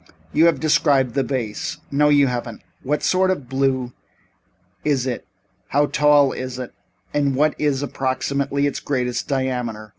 You have described the vase no you haven't. What sort of blue is it, how tall is it and what is, approximately, its greatest diameter?